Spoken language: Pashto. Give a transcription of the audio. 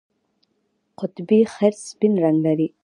قطبي خرس سپین رنګ لري